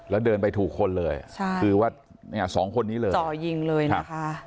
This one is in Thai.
แล้วเดินไปถูกคนเลยใช่คือว่าเนี่ยสองคนนี้เลยจ่อยิงเลยนะคะ